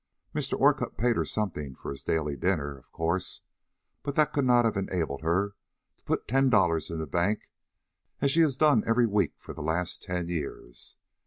Mr. Orcutt paid her something for his daily dinner, of course, but that could not have enabled her to put ten dollars in the bank as she has done every week for the last ten years.